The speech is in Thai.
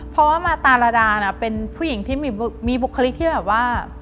เพราะว่ามาตาราดาน่ะเป็นผู้หญิงที่มีบุคลิกที่แบบว่า